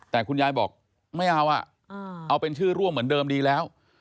แต่คุณยายบอกไม่เอาเอาเป็นชื่อร่วมเหมือนเดิมดีแล้ว